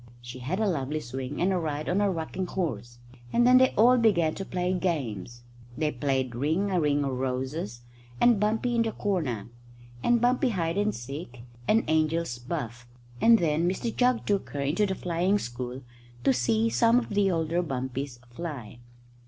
She had a lovely swing and a ride on a rocking horse, and then they all began to play games. They played ring a ring o' roses, and bumpy in the corner, and bumpy hide and seek, and angel's buff; and then Mr Jugg took her into the flying school to see some of the older bumpies fly.